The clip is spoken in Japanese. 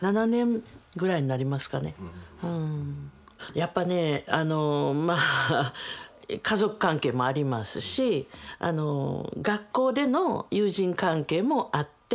やっぱね家族関係もありますし学校での友人関係もあって。